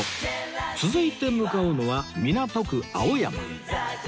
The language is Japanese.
続いて向かうのは港区青山